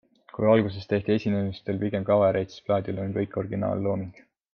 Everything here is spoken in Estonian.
Kui alguses tehti esinemistel pigem kavereid, siis plaadil on kõik originaallooming.